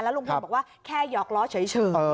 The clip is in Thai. ลุงพลบอกว่าแค่หยอกล้อเฉย